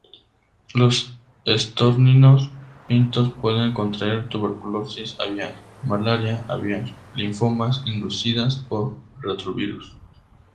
Los estorninos pintos pueden contraer tuberculosis aviar, malaria aviar y linfomas inducidas por retrovirus.